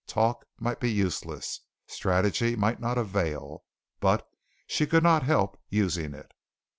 Talk might be useless. Strategy might not avail, but she could not help using it.